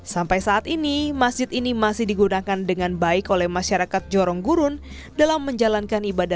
sampai saat ini masjid ini masih digunakan dengan baik oleh masyarakat jorong gurun dalam menjalankan ibadah